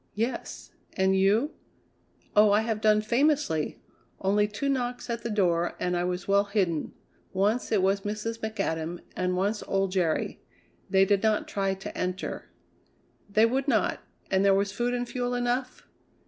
"Yes. And you?" "Oh! I have done famously. Only two knocks at the door, and I was well hidden. Once it was Mrs. McAdam and once old Jerry. They did not try to enter." "They would not. And there was food and fuel enough?"